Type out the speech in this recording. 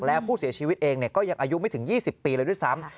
แล้วผู้เสียชีวิตเองก็ยังอายุไม่ถึง๒๐ปีเลยด้วยซ้ำ